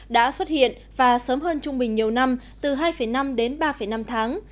đã xuất hiện và sớm hơn trung bình nhiều năm từ hai năm đến ba năm tháng